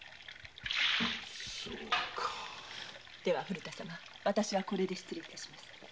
では古田様わたしはこれで失礼致します。